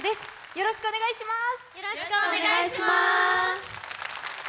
よろしくお願いします。